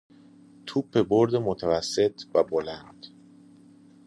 توپ برد متوسط و بلند